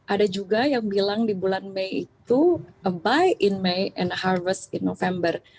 ada juga yang bilang di bulan mei itu abuy in may and harvest in november